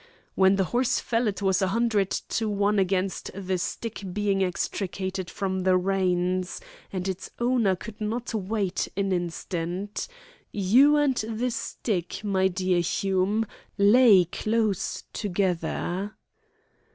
"When the horse fell it was a hundred to one against the stick being extricated from the reins, and its owner could not wait an instant. You and the stick, my dear Hume, lay close together."